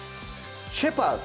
シェパーズ？